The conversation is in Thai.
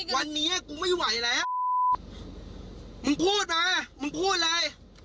วันนี้กูไม่ไหวแล้วมึงพูดมามึงพูดเลย